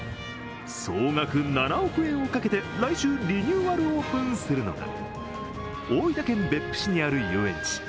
総額７億円をかけて来週リニューアルオープンするのが大分県別府市にある遊園地